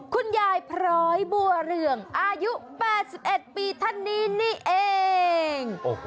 คุณยายพร้อยบัวเรืองอายุ๘๑ปีท่านนี้นี่เอง